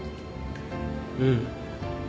うん。